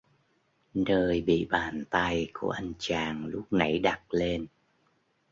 Nơi bị bàn tay của anh chàng lúc nãy đặt lên